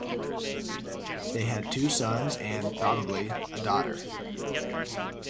They had two sons and, probably, a daughter.